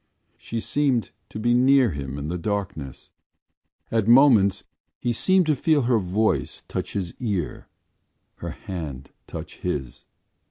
She seemed to be near him in the darkness. At moments he seemed to feel her voice touch his ear, her hand touch his.